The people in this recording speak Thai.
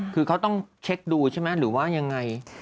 คือเขาต้องเช็คดูใช่ไหมหรือว่ายังไง